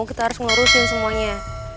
kita harus ngurusin semuanya